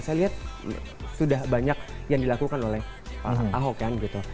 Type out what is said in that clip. saya lihat sudah banyak yang dilakukan oleh ahok kan gitu